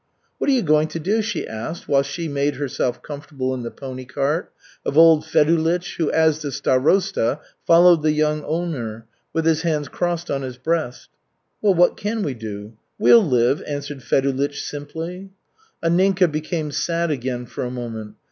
"What are you going to do?" she asked, while she made herself comfortable in the pony cart, of old Fedulych, who, as the starosta, followed the young owner, with his hands crossed on his breast. "Well, what can we do? We'll live," answered Fedulych simply. Anninka became sad again for a moment.